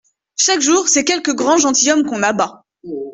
Chaque jour c’est quelque grand gentilhomme qu’on abat.